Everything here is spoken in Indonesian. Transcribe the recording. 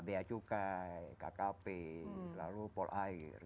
bia cukai kkp lalu polair